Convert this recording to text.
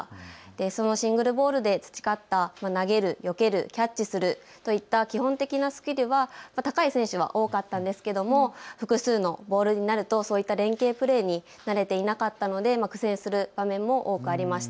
そのシングルボールで培った投げる、よける、キャッチするといった基本的なスキルは高い選手は多かったんですけれど複数のボールになるとそういった連係プレーに慣れていなかったので苦戦する場面も多くありました。